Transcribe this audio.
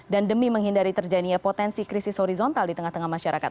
dan demi menghindari terjadinya potensi krisis horizontal di tengah tengah masyarakat